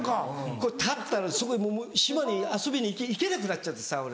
これ立ったらそこに島に遊びに行けなくなっちゃってさ俺。